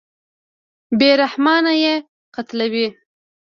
بېرحمانه یې قتلوي.